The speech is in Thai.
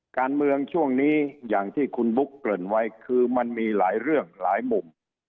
การเมืองช่วงนี้อย่างที่คุณบุ๊คเกริ่นไว้คือมันมีหลายเรื่องหลายมุม